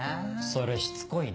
それしつこいね。